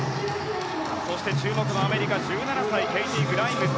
そして注目のアメリカ１７歳ケイティー・グライムズ。